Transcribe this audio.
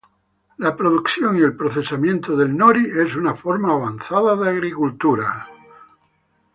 La producción y el procesamiento del "nori" es una forma avanzada de agricultura.